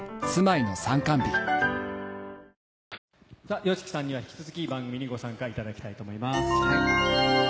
ＹＯＳＨＩＫＩさんには引き続き番組にご参加いただきたいと思います。